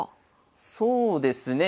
そうですね。